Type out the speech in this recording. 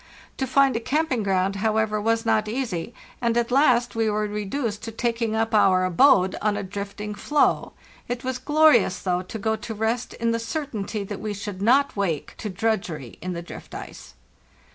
To find a camp ing ground, however, was not easy, and at last we were reduced to taking up our abode on a drifting floe. It was glorious, though, to go to rest in the certainty that we should not wake to drudgery in the drift ice.